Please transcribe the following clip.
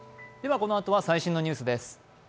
このあとは最新のニュースです。